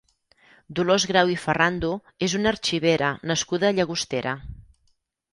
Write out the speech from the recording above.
Dolors Grau i Ferrando és una arxivera nascuda a Llagostera.